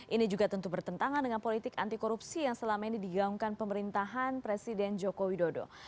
ini juga tentu bertentangan dengan politik anti korupsi yang selama ini digaungkan pemerintahan presiden joko widodo